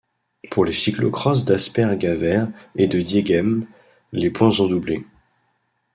Pour les cyclo-cross d'Asper-Gavere et de Diegem, les points sont doublés.